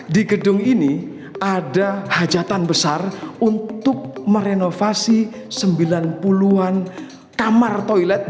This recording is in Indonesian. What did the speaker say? di gedung ini ada hajatan besar untuk merenovasi sembilan puluh an kamar toilet